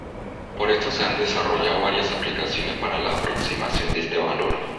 Por esto se han desarrollado varias aplicaciones para la aproximación a este valor.